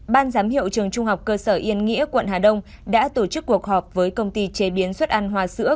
ban giám hiệu trường trung học cơ sở yên nghĩa quận hà đông đã tổ chức cuộc họp với công ty chế biến xuất ăn hoa sữa